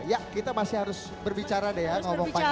ya kita masih harus berbicara deh ya ngomong panjang